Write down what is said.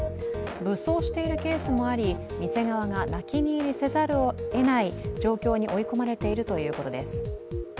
武装しているケースもあり店側が泣き寝入りせざるをえない状況に追い込まれているということです。